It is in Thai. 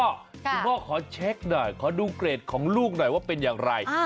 คุณพ่อขอเช็คหน่อยขอดูเกรดของลูกหน่อยว่าเป็นอย่างไร